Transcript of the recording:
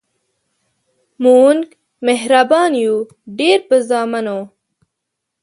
مونږ مهربان یو ډیر په زامنو